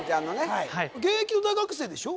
はい現役の大学生でしょ？